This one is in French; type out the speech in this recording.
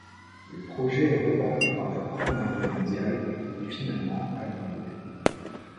Le projet est reporté par la Première guerre mondiale et finalement abandonné.